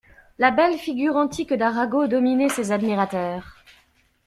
La belle figure antique d'Arago dominait ses admirateurs.